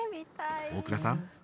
大倉さん